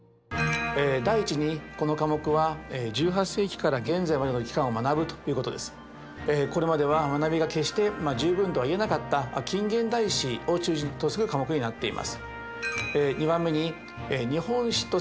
第１にこの科目はこれまでは学びが決して十分とは言えなかった近現代史を中心とする科目になっています。